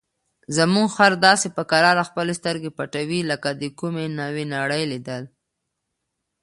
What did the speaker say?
زموږ خر داسې په کراره خپلې سترګې پټوي لکه د کومې نوې نړۍ لیدل.